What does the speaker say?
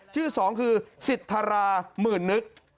ชื่อสองคือสิทธาราหมื่นนึก